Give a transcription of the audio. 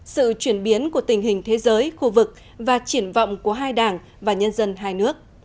sự chuyển biến của tình hình thế giới khu vực và triển vọng của hai đảng và nhân dân hai nước